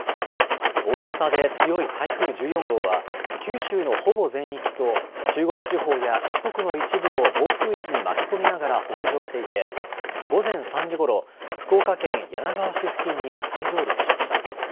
大型で強い台風１４号は、九州のほぼ全域と中国地方や四国の一部を暴風域に巻き込みながら北上していて、午前３時ごろ、福岡県柳川市付近に再上陸しました。